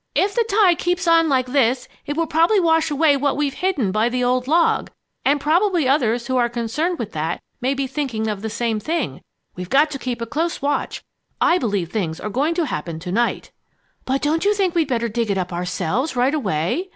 "If the tide keeps on like this, it will probably wash away what we've hidden by the old log. And probably others who are concerned with that may be thinking of the same thing. We've got to keep a close watch. I believe things are going to happen to night!" "But don't you think we'd better dig it up ourselves, right away?"